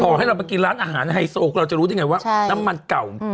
ให้เรามากินร้านอาหารไฮโซเราจะรู้ได้ไงว่าน้ำมันเก่า